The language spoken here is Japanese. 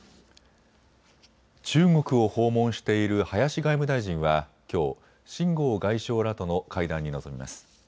中国を訪問している林外務大臣はきょう秦剛外相らとの会談に臨みます。